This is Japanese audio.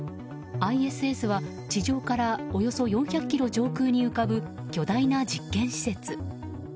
ＩＳＳは地上からおよそ４００ｋｍ上空に浮かぶ巨大な実験施設。